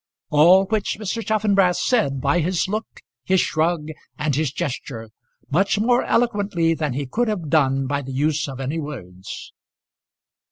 All which Mr. Chaffanbrass said by his look, his shrug, and his gesture, much more eloquently than he could have done by the use of any words.